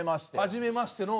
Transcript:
はじめましての。